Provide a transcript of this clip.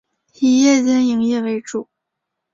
以夜间营业为主。